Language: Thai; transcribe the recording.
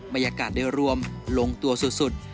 บรรยากาศโดยรวมลงตัวสุด